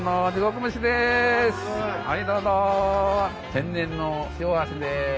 天然の塩味です。